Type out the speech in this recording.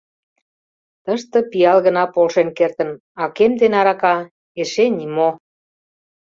Тыште пиал гына полшен кертын, а кем ден арака — эше нимо!